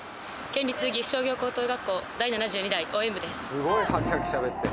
すごいハキハキしゃべってる。